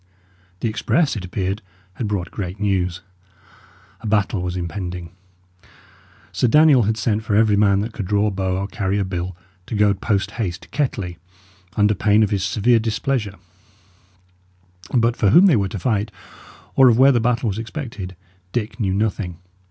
The express, it appeared, had brought great news. A battle was impending. Sir Daniel had sent for every man that could draw a bow or carry a bill to go post haste to Kettley, under pain of his severe displeasure; but for whom they were to fight, or of where the battle was expected, Dick knew nothing.